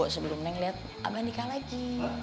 sebelum neng lihat abang nikah lagi